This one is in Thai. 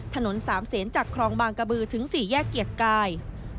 ถนน๓เสนจากคลองบางกระบือถึง๔แยกเกียรติกาย